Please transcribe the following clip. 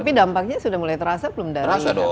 tapi dampaknya sudah mulai terasa belum dari apa saja